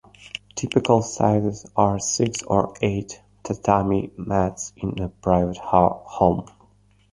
Typical sizes are six or eight tatami mats in a private home.